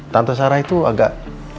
tante sarah itu agak